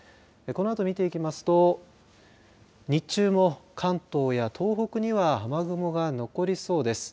このあと見ていきますと日中も関東や東北には雨雲が残りそうです。